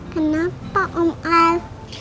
kenapa om al